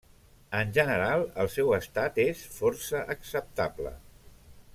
En general el seu estat és força acceptable.